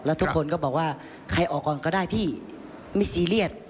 แล้วทุกคนก็บอกว่าใครออกก่อนก็ได้พี่ไม่ซีเรียส